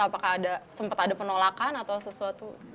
apakah ada sempat ada penolakan atau sesuatu